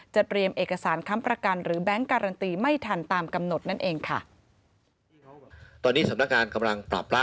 เตรียมเอกสารค้ำประกันหรือแบงค์การันตีไม่ทันตามกำหนดนั่นเองค่ะ